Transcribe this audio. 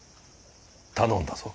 頼んだぞ。